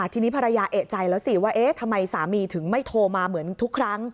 ทีนี้ภรรยาเอกใจแล้วสิว่าเอ๊ะทำไมสามีถึงไม่โทรมาเหมือนทุกครั้ง